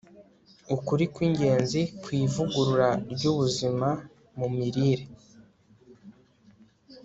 ukuri kwingenzi kwivugurura ryubuzima mu mirire